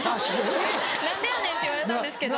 「何でやねん」って言われたんですけど。